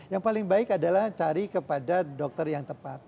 yang paling baik adalah cari kepada dokter yang tepat